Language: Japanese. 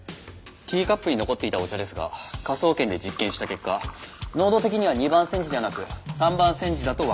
ティーカップに残っていたお茶ですが科捜研で実験した結果濃度的には二番煎じではなく三番煎じだとわかりました。